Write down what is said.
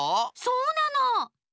そうなの。